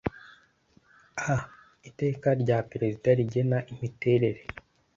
a) Iteka rya Perezida rigena imiterere